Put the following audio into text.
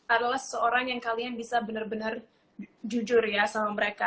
adalah seseorang yang kalian bisa benar benar jujur ya sama mereka